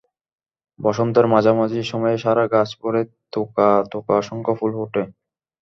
বসন্তের মাঝামাঝি সময়ে সারা গাছ ভরে থোকা থোকা অসংখ্য ফুল ফোটে।